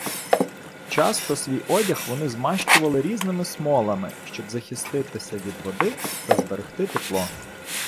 Часто свій одяг вони змащували різними смолами, щоб захиститися від води та зберегти тепло.